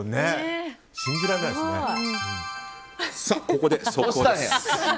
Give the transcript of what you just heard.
ここで速報です。